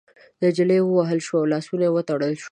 نجلۍ ووهل شوه او لاسونه يې وتړل شول.